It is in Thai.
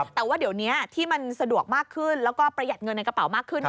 แต่ว่าเดี๋ยวนี้ที่มันสะดวกมากขึ้นแล้วก็ประหยัดเงินในกระเป๋ามากขึ้น